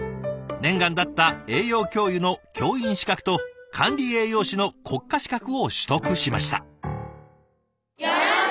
念願だった栄養教諭の教員資格と管理栄養士の国家資格を取得しました。